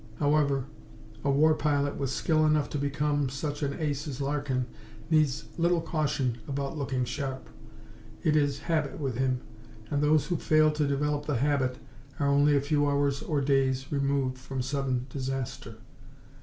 However, a war pilot with skill enough to become such an ace as Larkin needs little caution about "looking sharp." It is habit with him, and those who fail to develop the habit are only a few hours or days removed from sudden disaster.